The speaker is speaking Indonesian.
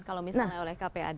kalau misalnya oleh kpad